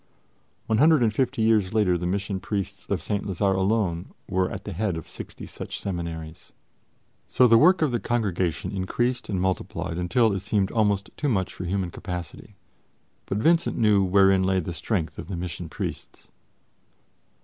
One hundred and fifty years later the Mission Priests of St. Lazare alone were at the head of sixty such seminaries. So the work of the Congregation increased and multiplied until it seemed almost too much for human capacity. But Vincent knew wherein lay the strength of the Mission Priests.